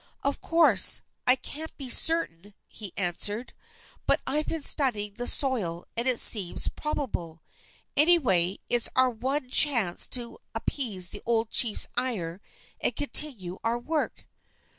"Of course, I can't be certain," he answered; "but I've been studying the soil, and it seems probable. Anyway, it's our one chance to appease the old chief's ire and continue our work."